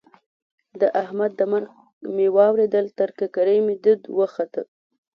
د احمد د مرګ مې واورېدل؛ تر ککرۍ مې دود وخوت.